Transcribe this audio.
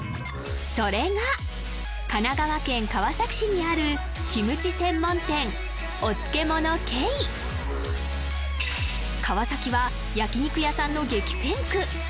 それが神奈川県川崎市にあるキムチ専門店おつけもの慶川崎は焼肉屋さんの激戦区